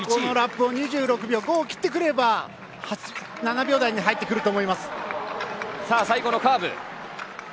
ここのラップを２６秒５切ってくれば７秒台に入ってくると思います。